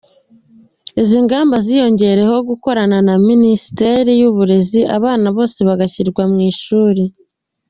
Izi ngamba ziyongeraho gukorana na Minisiteri y’uburezi abana bose bagashyirwa mu ishuri.